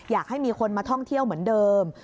อยากให้มีคนมาท่องเที่ยวเหมือนเดิม